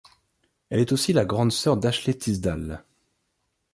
Elle est aussi la grande sœur d'Ashley Tisdale.